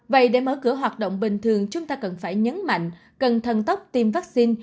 vậy để mở cửa hoạt động bình thường chúng ta cần phải nhấn mạnh cần thần tốc tiêm vaccine